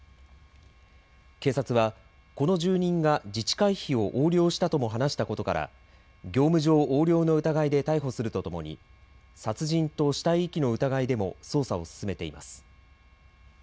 警察はこの住人が自治会費を横領したとも話したことから業務上横領の疑いで逮捕するとともに殺人と死体遺棄の疑いでも捜査を進めています。